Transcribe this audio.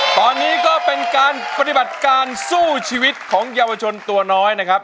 ตอนนี้ก็เป็นการปฏิบัติการสู้ชีวิตของเยาวชนตัวน้อยนะครับ